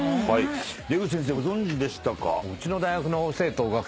出口先生ご存じでしたか？